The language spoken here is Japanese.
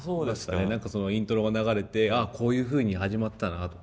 何かそのイントロが流れてああこういうふうに始まってたなとか。